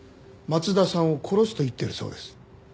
松田さんを殺すと言っているそうです。